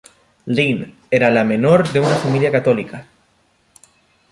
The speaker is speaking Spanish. Lynn era la hija menor de una familia católica.